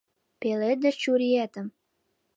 Пеледыш чуриетым.